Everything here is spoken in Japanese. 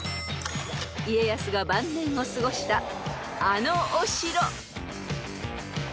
［家康が晩年を過ごしたあのお城］